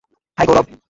High, Gaurav!